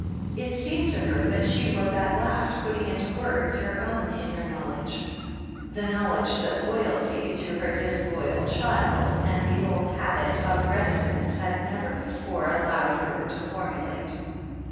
It seemed to her that she was at last putting into words her own inner knowledge, the knowledge that loyalty to her disloyal child and the old habit of reti cence had never before allowed her to formulate.